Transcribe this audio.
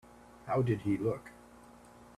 How did he look?